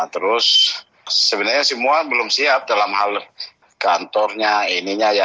terus sebenarnya semua belum siap dalam hal kantornya ininya ya